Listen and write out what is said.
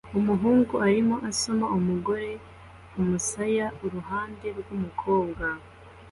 umuhungu arimo asoma umugore kumusaya iruhande rwumukobwa